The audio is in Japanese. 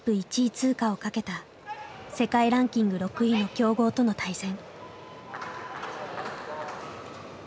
通過をかけた世界ランキング６位の強豪との対戦。